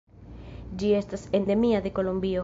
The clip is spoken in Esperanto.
Ĝi estas endemia de Kolombio.